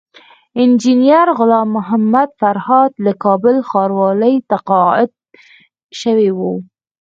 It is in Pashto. انجينر غلام محمد فرهاد له کابل ښاروالۍ تقاعد شوی وو